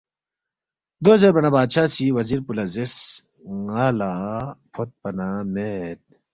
دو زیربا نہ بادشاہ سی وزیر پو لہ زیرس، ”ن٘ا لہ فوتپا نہ مید